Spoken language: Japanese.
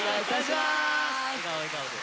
笑顔笑顔で。